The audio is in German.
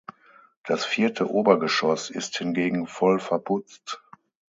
Das vierte Obergeschoss ist hingegen voll verputzt.